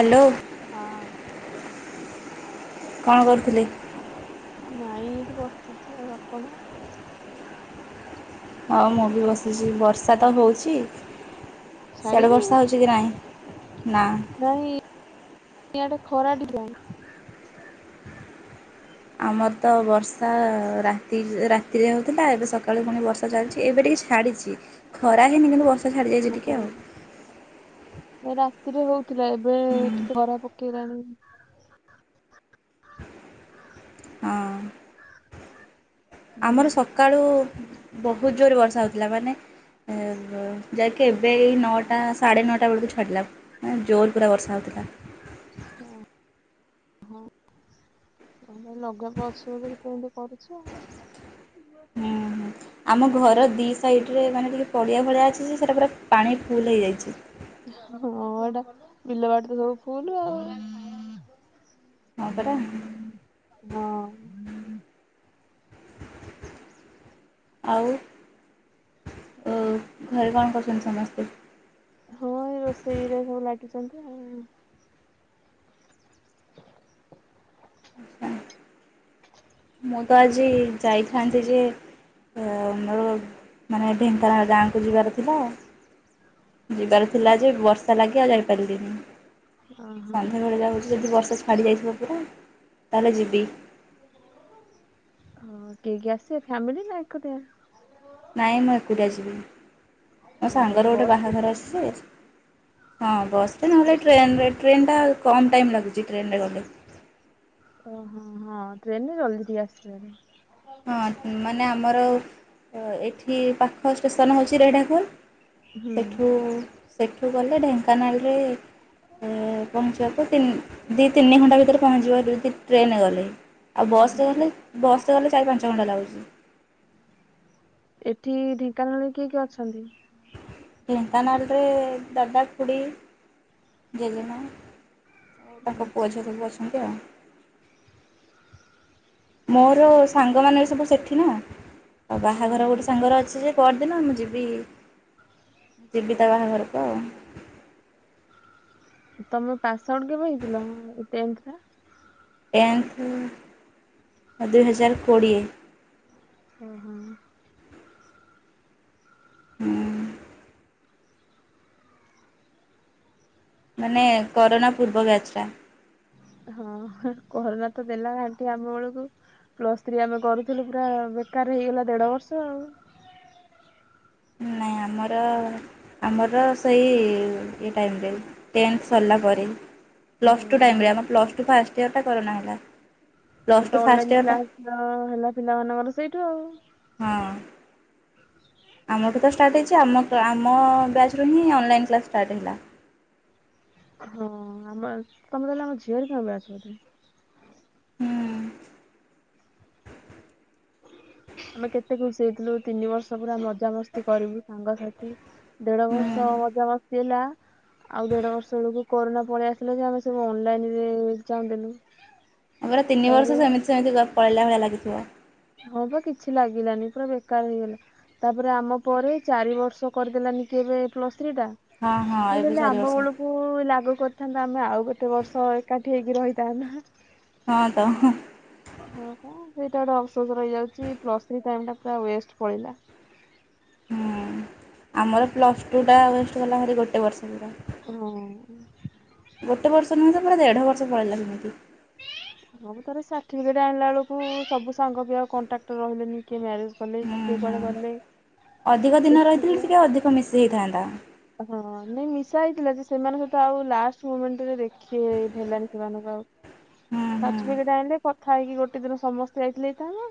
Hello ହଁ। କଣ କରୁଥୁଲେ? ନାଇଁ ଏଇଠି ବସିଚି, ଆଉ ଆପଣ? ହ ମୁଁ ବି ବସିଚି ବର୍ଷା ତ ହଉଚି। ସିଆଡ଼େ ଛାଡିନି ବର୍ଷା ହଉଚି କି ନାଇଁ ନାଁ। ନାହିଁ। ଇଆଡ଼େ ଖରା ଡିଜାଇନ୍। ଆମର ତ ବର୍ଷା ରାତି ରାତିରେ ହଉଥୁଲା ଏବେ ସକାଳେ ପୁଣି ବର୍ଷା ଚାଲଚି ଏବେ ଟିକେ ଛାଡ଼ିଚି ଖରା ହେଇନି କିନ୍ତୁ ବର୍ଷା ଛାଡ଼ିଯାଇଚି ଟିକେ ଆଉ। ନାଇଁ ରାତିରେ ହୋଉଥୁଲା ଏବେ ହୁଁ ଟିକେ ଖରା ପକେଇଲାଣି। ହଁ। ହୁଁ। ଆମର ସକାଳୁ ବହୁତ ଜୋର ବର୍ଷା ହଉଥୁଲା ମାନେ ଏ ବ ଯାଇକି ଏବେ ଏଇ ନଅଟା ସାଢ଼େ ନଅଟା ବେଳୁକୁ ଛାଡ଼ିଲା। ମାନେ ଜୋରେ ପୁରା ବର୍ଷା ହଉଥୁଲା। ହଁ ହଁ। ଆ ଲଗାପ ଅଛି ବୋଲି ସେଥି ପାଇଁ ସେ କରୁଛି ଆଉ। ହୁଁ ହ। ଆମ ଘର ଦି ସାଇଡ଼ ରେ ମାନେ ଟିକେ ପଡ଼ିଆ ଭଳିଆ ଅଛି ଯେ ସେଇଟା ପୁରା ପାଣି ଫୁଲ୍ ହୋଇଯାଇଛି। ହଁ ଏଟା ବିଲବାଡି ତ ସବୁ ଫୁଲୁ ଆଉ। ହଁ ପରା। ହଁ। ଆଉ ଘରେ କଣ କରୁଛନ୍ତି ସମସ୍ତେ? ହଁ ଏଇ ରୋଷେଇରେ ସବୁ ଲାଗିଛନ୍ତି ଆଉ। ମୁଁ ତ ଆଜି ଯାଇଥାନ୍ତି ଯେ ମୋର ମାନେ ଢେଙ୍କାନାଳ ଗାଁକୁ ଯିବାର ଥିଲା। ଯିବାର ଥିଲା ଯେ ବର୍ଷା ଲାଗି ଆଉ ଯାଇପାରିଲିନି। ଓହୋ ସନ୍ଧ୍ୟାବେେଳେ ଯାଉଛି ଯଦି ବର୍ଷା ଛାଡି ଯାଇଥିବ ପୁରା ତାହେଲେ ଯିବି। ହଁ କିଏ କିଏ ଆସିବ ଫ୍ୟାମିଲି ନା ଏକୁଟିଆ। ନାହିଁ ମୁଁ ଏକୁଟିଆ ଯିବି। ମୋ ଓହୋ ସାଙ୍ଗର ଗୋଟେ ବସରେ ବାହାଘର ଅଛି ଯେ ହଁ ବସ୍ ରେ ନହେଲେ ଟ୍ରେନରେ ଟ୍ରେନ୍ ଟା କମ୍ ଟାଇମ୍ ଲାଗୁଛି ଟ୍ରେନ୍ ରେ ଗଲେ। ଓହୋ ହଁ ହଁ ଟ୍ରେନ ରେ ଜଲଦି ଟିକେ ଆସିହେବ। ହଁ ମାନେ ଆମର ଏଠି ପାଖ ଷ୍ଟେସନ ହେଉଛି ରେଢାଖୋଲ। ହୁଁ ସେଠୁ ସେଠୁ ଗଲେ ଢେଙ୍କାନାଳରେ ପହଞ୍ଚିବାକୁ ତିନି ଦି ତିନି ଘଣ୍ଟା ଭିତରେ ପହଞ୍ଚିବ ଯଦି ଟ୍ରେନ୍ ଗଲେ। ଆଉ ହଁ ବସ୍ ରେ ଗଲେ ବସ୍ ରେ ଗଲେ ଚାରି ପାଞ୍ଚ ଘଣ୍ଟା ଲାଗୁଛି। ଏଠି ଢେଙ୍କାନାଳ ରେ କିଏ କିଏ ଅଛନ୍ତି? ଢେଙ୍କାନାଳ ରେ ଦାଦା ଖୁଡ଼ି ଜେଜେମା। ଆଉ ତାଙ୍କ ପୁଅ ଝିଅ ଆଚ୍ଛା। ସବୁ ଅଛନ୍ତି ଆଉ। ମୋର ସାଙ୍ଗମାନେ ସବୁ ସେଠି ନା ଆଉ ବାହାଘର ଗୋଟେ ହଁ ସାଙ୍ଗର ଅଛି ଯେ ପରଦିନ ମୁଁ ଯିବି ଯିବି ତା ବାହାଘରକୁ ଆଉ। ତମେ ପାସ୍ ଆଉଟ କେବେ ହେଇଥିଲ ଟେନ୍ଥରେ। ଟେନ୍ଥ ଦୁଇ ହଜାର କୋଡ଼ିଏ। ‌ହିଁ ହୁଁ ହୁଁ ମାନେ କରୋନା ପୂର୍ବ ବ୍ୟାଚ୍ ଟା। ହଁ କରୋନା ତ ଦେଲା ଘାଣ୍ଟି ଆମ ବେଳକୁ। ପ୍ଲସ୍ ଥ୍ରୀ ଆମେ କରୁଥିଲୁ ପୁରା ବେକାର ହେଇଗଲା ଦେଢ଼ ବର୍ଷ ଆଉ ନାଇଁ ଆମର ଆମର ସେଇ ଏ ଟାଇମ୍ ରେ ଟେନ୍ଥ ସରିଲା ପରେ। ପ୍ଲସ୍ ଟୁ ହଁ ଟାଇମରେ ଆମର ପ୍ଲସ୍ ଟୁ ଫାଷ୍ଟ ୟୀରଟା କରୋନା ହେଲା। ସେ ପ୍ଲସ୍ ଟୁ ତ ଫାଷ୍ଟ ଅନଲାଇନ ଇୟରଟା କ୍ଲାସର ହେଲା ପିଲାମାନଙ୍କର ସେଇଠୁ ଆଉ। ହଁ, ଆମଠୁ ତ ଷ୍ଟାର୍ଟ ହେଇଛି ଆମ-ଆମ ବ୍ୟାଚରୁ ହିଁ ଅନଲାଇନ୍ କ୍ଲାସ୍ ଷ୍ଟାର୍ଟ ହେଲା। ହଁ ଆମର ଅଛି। ତମେ ତାହେଲେ ଆମର ଝିଅ ହେରିକ ଙ୍କ ବାଚ୍ ର। ହୁଁ, ଆମେ କେତେ ଖୁସି ହେଇଥିଲୁ ତିନି ବର୍ଷ ପୁରା ମଜାମସ୍ତି କରିବୁ ସାଙ୍ଗସାଥି। ଦେଢ଼ ହୁଁ ବର୍ଷ ମଜାମସ୍ତି ହେଲା। ଆଉ ଦେଢ଼ ବର୍ଷ ବେଳକୁ କୋରୁନା ପଳେଇ ଆସିଲା ଯେ ଆମେ ସବୁ ଅନଲାଇନରେ ଇଜ୍ଜାମ୍ ଦେଲୁ। ଆମର ତିନି ବର୍ଷ ତାପରେ ସେମିତି-ସେମିତି ଦ ପଳେଇଲା ଭଳିଆ ଲାଗିଥିବ। ହଁ ବା କିଛି ଲାଗିଲାନି ପୁରା ବେକାର ହେଇଗଲା। ତାପରେ ଆମ ପରେ ଚାରି ବର୍ଷ କରିଦେଲାନି କି ଏବେ ପ୍ଲସ୍ ଥ୍ରୀ ଟା। ହଁ ହଁ ମୁଁ ଏବେ ହଲେ ଚାରି ଆମ ବର୍ଷ ବେଳକୁ ହୁ ଲାଗୁ କରିଥାନ୍ତା ଆମେ ଆଉ ଗୋତେ ବର୍ଷ ଏକାଠି ହେଇକି ରହିଥାନ୍ତା। ହଁ ତ ହୁ। ହଁ-ହଁ ସେଇଟା ଗୋଟେ ଅଫସୋସ୍ ରହିଯାଉଛି ପ୍ଲସ୍ ଥ୍ରୀ ଟାଇ ଟା ପୁରା ୱେଷ୍ଟ ପଳେଇଲା। ହୁଁ ଆମର ପ୍ଲସ୍ ଟୁ ଟା ୱେଷ୍ଟ ଗଲା ହେରି ଗୋଟେ ବର୍ଷ ପୁରା। ହୁଁ। ଗୋଟେ ବର୍ଷ ନୁହଁ ପୁରା ଦେଢ଼ ବର୍ଷ ପଳେଇଲା। ସବୁ ତ ସାର୍ଟିଫିକେଟ ଆଣିଲା ବେଳକୁ ସବୁ ସାଙ୍ଗ ପିଲା କଣ୍ଟ୍ରାକ୍ଟର୍ ରହିଲେନି କିଏ ମ୍ୟାରେଜ୍ କଲେ ହୁଁ କିିଏ ହୁଁ କୁଆଡ଼େ ଗଲେ ଅଧିକ ଦିନ ରହିଥିଲେ ଏକୁଟିଆ। ଟିକେ ଅଧିକ ମିଶି ହେଇଥାନ୍ତା। ହଁ ନାଇଁ ମିଶାହେଇଥିଲା ସେମାନଙ୍କ ସହିତ ଆଉ ଲାଷ୍ଟ ମୁମେଣ୍ଟରେ ଦେଖି ହେଇଲାନି। ସେମାନଙ୍କୁ ଆଉ ହୁଁ ହୁଁ ସାଟିପିକେଟ୍ ଆଣିଲେ କଥା ହେଇକି ଗୋଟେ ଦିନ ସମସ୍ତେ ଯାଇଥିଲେ ହେଇଥାନ୍ତା।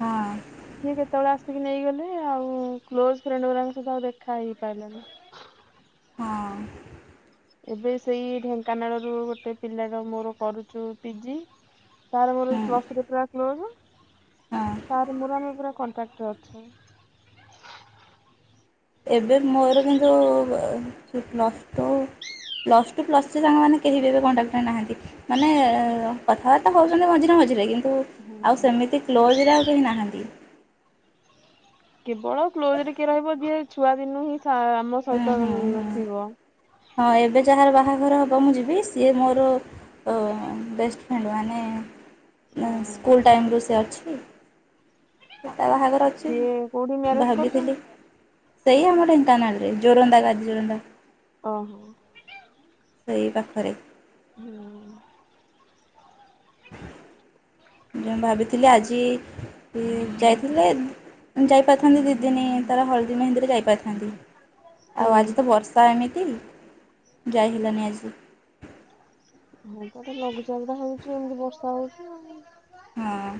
ହଁ କିଏ କେତେବେଳେ ଆସିକି ନେଇଗଲେ ଆଉ କ୍ଲୋଜ୍ ଫ୍ରେଣ୍ଡ ଗଙ୍କ ସହିତ ଆଉ ଦେଖା ହେଇ ପାଇଲାନି। ହଁ। ଏବେ ସେଇ ଢେଙ୍କାନାଳରୁ ଗୋଟେ ପିଲାର ମୋର କରୁଛୁ ପିଜି। ତାର ମୋର ହୁଁ ପ୍ଲସ୍ ପୁରା କ୍ଲୋଜ୍ ହଁ। ତାର ମୋର ଆମେ ପୁରା କଣ୍ଟ୍ରାକ୍ଟର୍ ଅଛୁ। ଏବେ ମୋର କିନ୍ତୁ plus two plus two plus three ସାଙ୍ଗମାନେ କେହି ବି ଏବେ କଣ୍ଟ୍ରାକ୍ଟର୍ ନାହାନ୍ତି। ମାନେ କଥାବାର୍ତ୍ତା ହେଉଛନ୍ତି ମଝିରେ-ମଝିରେ କିନ୍ତୁ ଆଉ ସେମିତି କ୍ଲୋଜ୍ ରେ ଆଉ କେହି ନାହାନ୍ତି। କେବଳ କ୍ଲୋଜ ରେ କିଏ ରହିବ ଯିଏ ଛୁଆ ଦିନୁ ହିଁ ସାର୍ ଆମ ହୁଁ ସହିତ ହୁଁ ହୁଁ ନଥିବ। ହଁ ଏବେ ଯାହାର ବାହାଘର ହବ ମୁଁ ଯିବି ସିଏ ମୋର ଓ ବେଷ୍ଟ ଫ୍ରେଣ୍ଡ ମାନେ ହୁଁ ହଁ ସ୍କୁଲ୍ ଟାଇମରୁ ସେ ଅଛି। ତା ବାହାଘର ଅଛି ସିଏ କୋଉଠି ମୁ ମ୍ୟାରେଜ ଭାବିଥିଲି। କରୁଛନ୍ତି? ସେଇଆ ମୋର ଢେଙ୍କାନାଲରେ ଜୋରନ୍ଦାବାତ୍ ଜୋରନ୍ଦା। ଓହୋ। ସେଇ ପାଖରେ ହୁଁ ହୁଁ। ମୁଁ ଭାବିଥିଲି ଆଜି। କି ଯାଇଥିଲେ ଯାଇପାରିଥାନ୍ତି ଦିଦିନ ତାର ହଳଦୀ ମେହେନ୍ଦୀରେ ଯାଇପାରିଥାନ୍ତି। ହୁଁ। ଆଉ ଆଜି ତ ବର୍ଷା ଏମିତି ଯାଇ ହେଲାନି ଆଜି। ହଁ ତ ତ ଲଘୁଚାପଟା ହଉଛି ଏମିତି ବର୍ଷା ହଉଛି। ଆଉ ହଁ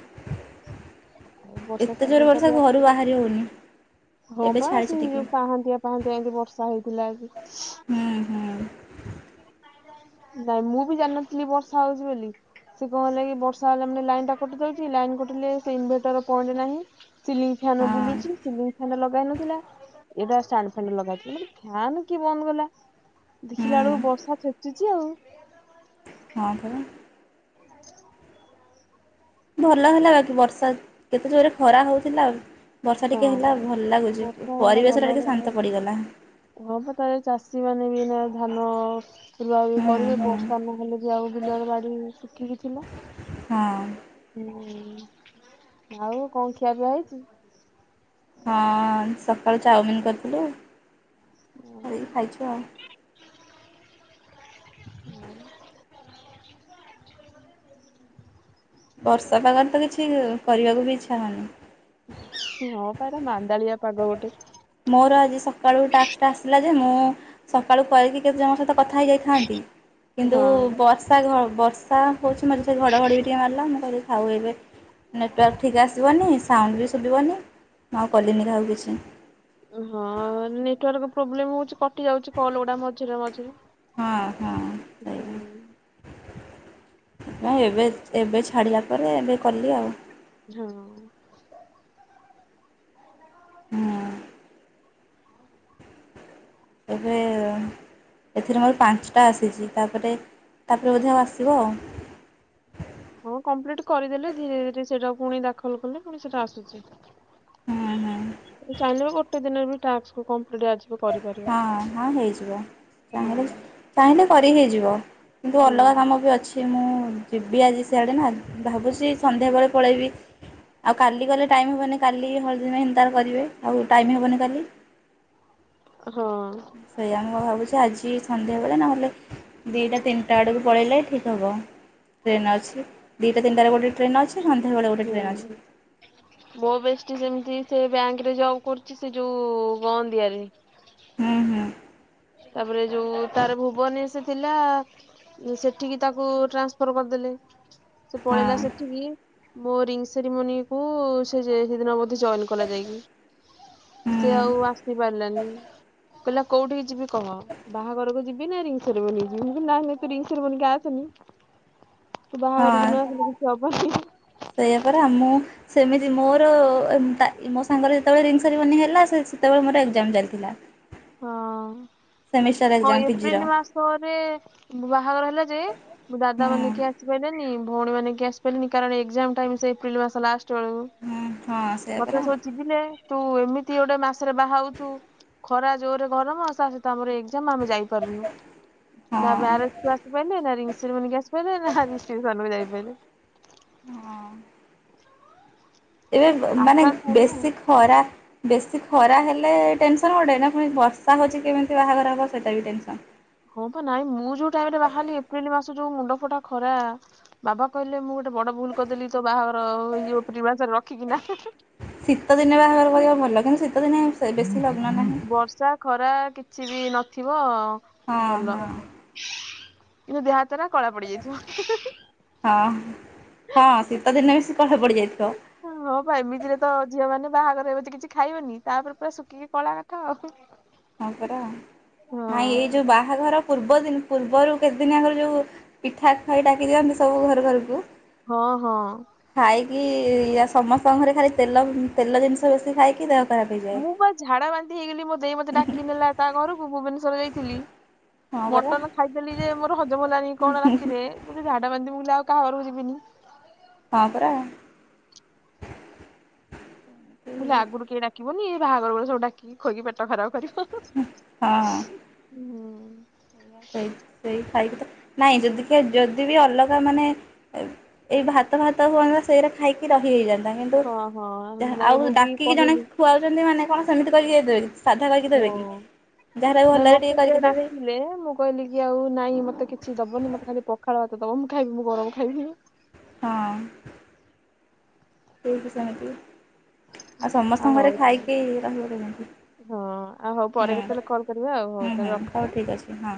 ବର୍ଷା ଏତେ ଜୋର ସିଜିନ ଟା ବର୍ଷା ବି ଘରୁ ଆସି ବାହାରି ହେଉନି ହଁ ଏବେ ବା ଛାଡ଼ିଛି ସେ ଟିକେ ଯୋଉ ପାହାନ୍ତି ପାନ୍ତି ଭାନ୍ତି ବର୍ଷା ହେଇଥିଲା ଆଜି। ହୁଁ ହୁଁ ନାଇଁ ମୁଁ ବି ଜାଣିନଥିଲି ବର୍ଷା ହଉଛି ବୋଲି। ସେ କଣ ହେଲା କି ବର୍ଷା ହେଲା ମାନେ ଲାଇନଟା କଟି ଦେଉଛି ଲାଇନ୍ କଟିଲେ ସେ ଇନଭେଟର ପଏଣ୍ଟ ନାହିଁ। ସିଲିଂ ଫାନ ହଁ ବୁଲୁଛି ସିଲି ଲଗାଇ ନଥିଲା ଏଇଟାଣ୍ଡ ଫାଣ୍ଡ ଲଗଥିଲା ଫ୍ୟାନ କି ବନ୍ଦ କଲା। ଦେଖିଲା ବେଳକୁ ହୁଁ ବର୍ଷା ଛେଚୁଛି ଆଉ। ହଁ ପରା। [inaudible] ଭଲ ହେଲା ବାକି ବର୍ଷା କେତେ ଜୋରେ ଖରା ହଉଥିଲା ଆଉ। ବର୍ଷା ହଁ ଟିକିଏ ହେଲା ଭଲ ଲାଗୁଛି ବର୍ଷା ପରିବେଶଟା ଟିକେ ଶାନ୍ତ ପଡ଼ିଗଲା। ହଣପାତରେ ଚାଷୀ ମାନେ ବି ନା ଧାନ ସେ ଆ ହୁଁ କରିବେ ହୁଁ ବର୍ଷା ନହେଲେ ବି ଆଉ ବିଲରେ ବାଡି ଶୁଖିକି ଥିଲା। ହଁ। ହୁଁ ଆଉ କଣ ଖିଆ ପିଆ ହେଇଛି। ହଁ ସକାଳୁ ଚାଉମିିନ କରିଥିଲୁ। କରିକି ଖାଇଛୁ [inaudible] [inaudible] [unintelligible] ବର୍ଷା ପାଗରେ ତ କିଛି କରିବାକୁ ବି ଇଚ୍ଛା ହଉନି। ହଁ ପା ଏରା ମାନ୍ଦାଳିଆ ପାଗ ଗୋଟେ। ମୋର ଆଜି ସକାଳୁ ଟାକ୍ସ ଟା ଆସିଲା ଯେ ମୁଁ ସକାଳୁ କରିକି କେତେ ଜଣଙ୍କ ସହିତ କଥା ହେଇଯାଇଥାନ୍ତି କିନ୍ତୁ ହଁ। ବର୍ଷ ବର୍ଷା ଘ ବର୍ଷା ହଉଛି ମଝିରେ ଘଡ଼ଘଡ଼ି ବି ଟିକିଏ ମାରିଲା ମୁଁ କହିଲି ଥାଉ ଏବେ। ନେଟୱାର୍କ ଠିକ୍ ଆସିବନି ସାଉଣ୍ଡୁ ବି ଶୁଭିବନି ମୁଁ ଆଉ କଲିନି କାହାକୁ କିଛି। ହଁ ନେଟୱାର୍କ ପ୍ରୋବ୍ଲେମ ହଉଛି କଟି ଯାଉଛି କଲ୍ ଗୁଡା ମଝିରେ ମଝିରେ। ହଁ ହଁ ହୁଁ ସେଇଆ। ହଁ ଏବେ ଏବେ ଛାଡିଲା ପରେ ଏବେ କଲି ଆଉ। ହଁ। ହୁଁ। ଏବେ ଏଥିରେ ମୋର ପାଞ୍ଚଟା ଆସିଛି ତାପରେ ତାପରେ ବୋଧେ ଆଉ ଆସିବ ଆଉ। ହଁ କମ୍ପ୍ଲିଟ କରିଦେଲେ ଧୀରେ ଧୀରେ ସେଇଟା ପୁଣି ଦାଖଲ କଲେ ପୁଣି ସେଇଟା ଆସୁଛି। ହୁଁ ହୁଁ। ଚାହିଁବି ଗୋଟେ ଦିନରେ ବି ଟାକ୍ସ କୁ କମ୍ପ୍ଲିଟ ଆଜି କୁ କରିପାର ହଁ ହଁ ହେଇଯିବ। ଚାହିଁଲେ ଚାହିଁଲେ କରି ହେଇଯିବ କିନ୍ତୁ ଅଲଗା ହୁଁ। କାମ ବି ଅଛି। କି ମୁଁ ଯିବି ଆଜି ସିଆଡ଼େ ନା ଭାବୁଛି ସନ୍ଧ୍ୟାବେଳେ ପଳେଇବି। ଆଉ କାଲି ଗଲେ ଟାଇମ୍ ହବନି କାଲି ହଳଦୀ ମେହେନ୍ଦି ତାର କରିବେ ଆଉ ଟାଇମ୍ ହବନି କାଲି। ହଁ। ସେୟା ମୁଁ ଭାବୁଛି ଆଜି ସନ୍ଧ୍ୟାବେଳେ ନହେଲେ ଦିଟା ତିନିଟା ଆଡକୁ ପଳେଇଲେ ଠିକ୍ ହେବ ଟ୍ରେନ୍ ଅଛି ଦୁଇଟା ତିନିଟାରେ ଗୋଟେ ଟ୍ରେନ୍ ଅଛି। ସେ ସନ୍ଧ୍ଯା ବେଳେ ଗୋଟେ ଟ୍ରେନ୍ ହୁଁ। ଅଛି। ମୋ ବେଷ୍ଟୀ ସେମିତି ସେ ବ୍ୟାଙ୍କରେ ଜବ୍ କରୁଛି ସେ ଯୋଉ ଗଅନ୍ଦିଆରେ। ହୁଁ ହୁଁ। ତାପରେ ଯୋଉ ତାର ଭୁବନ ରେ ସେ ଥିଲା। ସେଠିକି ତାକୁ ଟ୍ରାନ୍ସପର କରିଦେଲେ ସେ ହଁ ପଳେଇଲା ସେଠିକି ମୋ ରିଙ୍ଗି ସେରିମୋନି କୁ ସେ ଯେ ସେଦିନ ବୋଧେ ଜଏନ୍ କଲା ଯାଇକି। ହୁଁ ସେ ଆଉ ଆସି ପାରିଲାନି କହିଲା କୋଉଠିକି ଯିବି କହ ବାହାଘରକୁ ଯିବି ନା ରିଙ୍ଗ ସେରିମୋନି କୁ ଯିବି ମୁଁ କହିଲି ନାଇଁ ନାଁଇ ତୁ ରିଙ୍ଗ ସେରିମନିକୁ ଆସେନି। ତୁ ବାହାଘରକୁ ନଆସିଲେ କିଛି ହବନି ହି ସେଇୟା ପରା ମୁଁ ସେମିତି ମୋର ତା ମୋ ସାଙ୍ଗର ଯେତେବେଳେ ରିଙ୍ଗ ସେରିମନି ହେଲା ସେ ସେତେବେଳେ ମୋର ଏକ୍ଜାମ ଚାଲିଥିଲା। ସେମିଷ୍ଟାର ହଁ ହଁ ଏକ୍ଜାମ ପିଜିର ଏପ୍ରିଲ୍ ମାସରେ ବାହାଘର ହେଲା ଯେ ମୋ ଦାଦା ହୁଁ ମାନେ କିଏ ଆସିପାରିଲେନି ଭଉଣୀ ମାନେ କିଏ ଆସିପାରିଲେନି କାରଣ ଏକ୍ଜାମ ଟାଇମ୍ ସେ ଏପ୍ରିଲ୍ ମାସ ଲାଷ୍ଟ ବେଳକୁ। ହୁଁ। ହଁ ସେଇଆ ମତେ ପରା ସବୁ ଚିଡିଲେ ତୁ ଏମିତି ଗୋଟେ ମାସରେ ବାହାହଉଛୁ ଖରା ଜୋରେ ଗରମ ତା ସହିତ ଆମର ଏଜ୍ଜାମ ଆମେ ଯାଇପାରୁନୁ ନୁ ନା ହଁ। ମ୍ୟାରେ ଆସି ପାରିଲେ ନା ରିଙ୍ଗ ସେରିମନିକି ଆସି ପାରିଲେ ନା ରିସେସ୍ପସନ କୁ ଯାଇପାଇଲେ। ହଁ ଏବେ ବ ମାନେ ଆଶା ଥାଏ ନା ବେଶୀ ଖରା ବେଶୀ ଖରା ହେଲେ ଟେନସନ୍ ଗୋଟେ ନା ପୁଣି ବର୍ଷା ହେଉଛି କେମିତି ବାହାଘର ହବ ସେଇଟା ବି ଟେନସନ୍। ହଁ ପା ନାଇଁ ମୁଁ ଯୋଉ ଟାଇମ୍ ରେ ବାହାହେଲି ଏପ୍ରିଲ ମାସ ଯୋଉ ମୁଣ୍ଡ ଫଟା ଖରା ବାବା କହିଲେ ମୁଁ ଗୋଟେ ବଡ ଭୁଲ୍ କରିଦେଲି ତୋ ବାହାଘର ଏ ଯଉ ଏପ୍ରିଲ୍ ମସ ରଖିକି ନା ହି ହି ଶୀତ ଦିନେ ବାହାଘର କରିବ ଭଲ କିନ୍ତୁ ଶୀତ ଦିନେ ସେ ବେଶୀ ଲଗ୍ନ ନାହିଁ। ବର୍ଷା ଖରା କିଛି ବି ନଥିବ ହଁ ଭଲ। ହଁ। କିନ୍ତୁ ଦେହ ହାତ ଏରା କଳା ପଡି ଯାଇଥିବ। ହଁ ହଁ ଶୀତଦିନେ ବି ସେ କଳାପଡିଯାଇଥିବ। ଏ ହଁ ପା ଏମିତିରେ ତ ଝିଅ ମାନେ ବାହାଘର ହେଉଛି କିଛି ଖାଇବେନି। ତାପରେ ପୁରା ଶୁଖିକି କଳା କାଠ ଆଉ। ହଁ ପରା ନାଇଁ ଏଇ ହଁ ଯୋଉ ବା ବାହାଘର ପୂର୍ବ ଦିନ ପୂର୍ବରୁ କେତେଦିନି ଆଗରୁ ଯୋଉ ପିଠା ଖାଇ ଡାକି ଦିଅନ୍ତି ସବୁ ଘର ଘରକୁ। ହଁ, ହଁ। ଖାଇକି ଆ, ସମସ୍ତଙ୍କ ଘରେ ଖାଲି ତେଲ ତେଲ ଜିନିଷ ବେଶି ଖାଇକି ଦେ ମୁଁ ବା ଝାଡା ବାନ୍ତି ହେଇଗଲି ମୋ ଦେଇ ମୋତେ ଡାକିକି ନେଲା ତା ଘରକୁ, ଭୁବନେଶ୍ୱର ଯାଇଥିଲ, ହଁ ପରା ମଟନ୍ ଖାଇଦେଲି ଯେ ମୋର ହଜମ ହେଲାନି କଣ ରାତିରେ ମୁଁ ବି ଝାଡ଼ା ବାନ୍ତି, ମୁଁ କହିଲି ଆଉ କାହା ଘରକୁ ଯିବିନି। ହଁ ପରା। ମୁଁ କହିଲି ଆଗରୁ କେହି ଡାକିବନି, ଏ ବାହାଘର ବେଳେ ସବୁ ଡାକିକି ଖୋଇକି ପେଟ ଖରାପ କରିବ। ହୁଁ। ହଁ। ସେଇ ସେଇ ଖାଇକି ତ ନାଇଁ ଯଦି ଖା-ଯଦି ବି ଅଲଗା ମାନେ ଏ ଏଇ ଭାତ ଭାତ ହୁଅନ୍ତା ସେଇଟା ଖାଇକି ରହି ହେଇଯାନ୍ତା, କିନ୍ ତୁ ହଁ ହଁ ଯାହା ନାଇଁ ଆଉ ମୁଁ ବି ଡାକିକି ଜଣେ କହିଲି ଖୁଆଉଛନ୍ତି ମାନେ କଣ ସେମିତି କରିକି ଦେଇ ଦେବେକି। ସାଧା କରିକି ଦେବେ କି ହଁ। ଯାହା ହେଲେ ବି ଭଲ ରେ ଟିକେ କରିକି ଦେବେ। ଲେ ମୁଁ କହିଲି କି ଆଉ ନାଇଁ ମୋତେ କିଛି ଦବନି, ମୋତେ ଖାଲି ପଖାଳ ଭାତ ଦବ ମୁଁ ଖାଇବି, ମୁଁ ଗରମ ଖାଇବିନି। ହଁ। ସିଏ ବି ସେମିତି ଆଉ ସମସ୍ତଙ୍କ ଆଉ ଘରେ ହଉ ତାହେଲେ ଖାଇକି ରହିହବ କେମତି। ହଁ ଆଉ ହଉ ପରେ କେତେଲେ କଲ୍ କରିବା ଆଉ ହଉ ତାହେଲେ ହୁଁ ହଉ ରଖୁଚୁ। ଠିକ୍ ଅଛି ହଁ